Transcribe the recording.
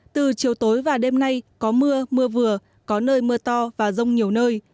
từ chiều tối và đêm nay có mưa mưa vừa có nơi mưa to và rông nhiều nơi